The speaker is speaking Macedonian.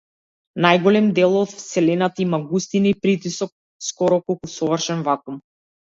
Најголем дел од вселената има густина и притисок скоро колку совршен вакуум.